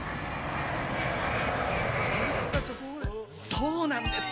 そうなんです！